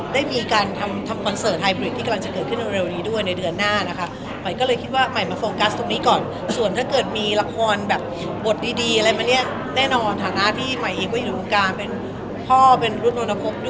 ได้มีการทำคอนเสิร์ตไฟบริดท์ที่กำลังจะเกิดขึ้นมารีวิวีดีโดยนี้ด้วยในเดือนหน้านะคะ